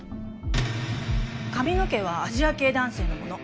髪の毛はアジア系男性のもの。